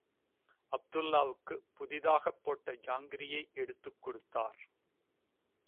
அப்துல்லாவுக்குப் புதிதாகப் போட்ட ஜாங்கிரியை எடுத்துக் கொடுத்தார்.